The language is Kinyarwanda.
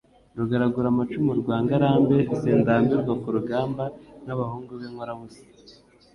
Rugaraguramacumu rwa Ngarambe, sindambirwa ku rugamba, nk'abahungu b'inkorabusa,